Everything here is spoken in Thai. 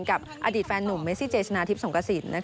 กับอดีตแฟนหนุ่มเมซิเจชนะทิพย์สงกระสิน